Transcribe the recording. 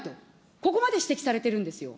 ここまで指摘されているんですよ。